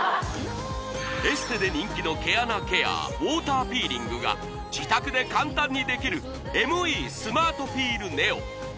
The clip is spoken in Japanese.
エステで人気の毛穴ケアウォーターピーリングが自宅で簡単にできるＭＥスマートピールＮＥＯ